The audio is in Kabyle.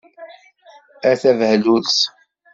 A tabehlult!